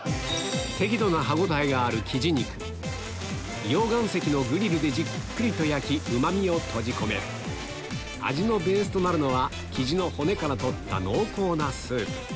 適度な歯応えがある溶岩石のグリルでじっくりと焼きうま味を閉じ込める味のベースとなるのは雉の骨から取った濃厚なスープ